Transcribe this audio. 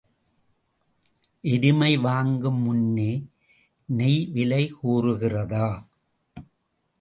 எருமை வாங்கும் முன்னே நெய் விலை கூறுகிறதா?